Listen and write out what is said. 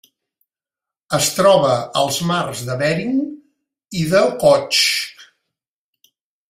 Es troba als mars de Bering i d'Okhotsk.